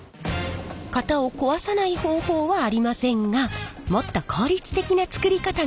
型を壊さない方法はありませんがもっと効率的な作り方があるんです。